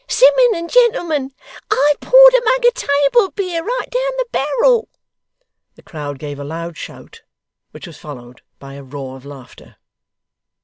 'Simmun and gentlemen, I poured a mug of table beer right down the barrel.' The crowd gave a loud shout, which was followed by a roar of laughter.